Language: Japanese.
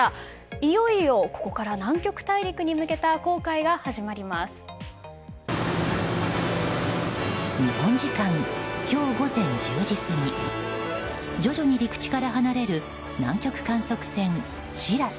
いよいよここから南極大陸に向けた日本時間今日午前１０時過ぎ徐々に陸地から離れる南極観測船「しらせ」。